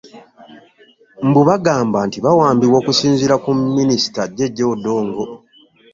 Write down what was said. Mbu bagamba nti baawambibwa okusinziira ku Minisita Jeje Odong.